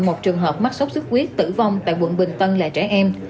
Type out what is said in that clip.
một trường hợp mắc sốt xuất huyết tử vong tại quận bình tân là trẻ em